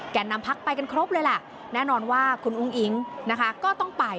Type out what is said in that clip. นำพักไปกันครบเลยแหละแน่นอนว่าคุณอุ้งอิ๊งนะคะก็ต้องไป